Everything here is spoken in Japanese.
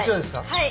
はい。